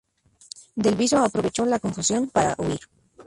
Del Viso aprovechó la confusión para huir.